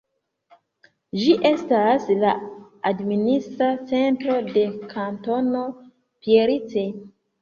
Ĝi estas la administra centro de Kantono Pierce.